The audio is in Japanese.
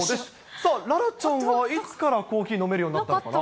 さあ、楽々ちゃんはいつからコーヒー飲めるようになったのかな？